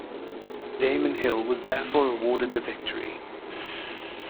Damon Hill was therefore awarded the victory.